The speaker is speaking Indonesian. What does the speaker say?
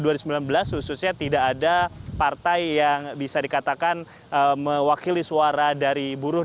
khususnya tidak ada partai yang bisa dikatakan mewakili suara dari buruh